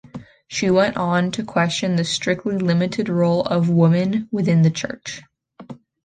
She went on to question the strictly limited role of women within the church.